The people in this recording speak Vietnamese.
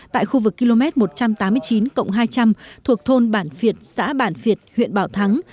tại khu vực km một trăm tám mươi chín hai trăm linh thuộc thôn bản việt xã bản việt huyện bảo thắng